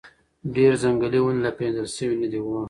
ډېر ځنګلي ونې لا پېژندل شوي نه دي.